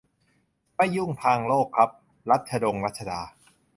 ไม่ยุ่งทางโลกครับ รัชดงรัชดา